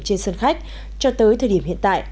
trên sân khách cho tới thời điểm hiện tại